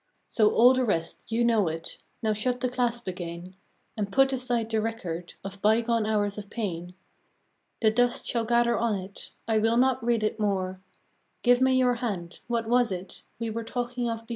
So all the rest — you know it; Now shut the clasp again, And put aside the record Of bygone hours of pain. The dust shall gather on it, I will not read it more: Give me your hand — what was it We were talking of before